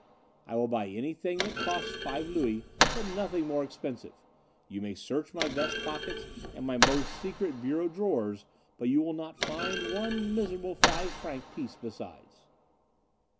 I will buy anything that costs five louis, but nothing more expensive. You may search my vest pockets, and my most secret bureau drawers, but you will not find one miserable five franc piece besides."